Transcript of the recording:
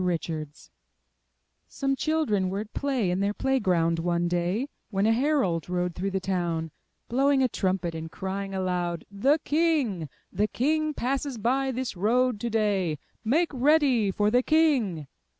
Richards Some children were at play in their play ground one day, when a herald rode through the town, blowing a trumpet, and crying aloud, *The King! the King passes by this road to day. Make ready for the King!